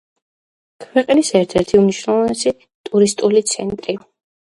ქვეყნის ერთ-ერთი უმნიშვნელოვანესი ტურისტული ცენტრი.